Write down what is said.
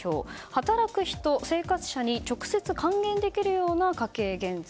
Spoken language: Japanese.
働く人、生活者に直接還元できるような家計減税。